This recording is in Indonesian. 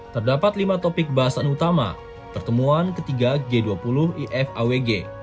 terdapat lima topik bahasan utama pertemuan ketiga g dua puluh ifawg